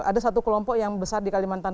ada satu kelompok yang besar di kalimantan